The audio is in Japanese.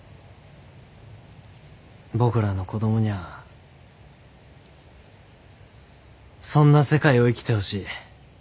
僕らの子供にゃあそんな世界を生きてほしい。